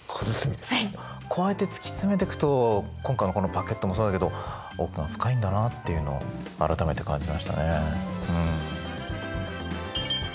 こうやって突き詰めていくと今回のこのパケットもそうだけど奥が深いんだなっていうのを改めて感じましたね。